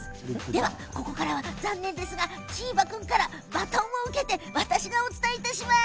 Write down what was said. ここからは残念ですがチーバくんからバトンを受けて私がお伝えします。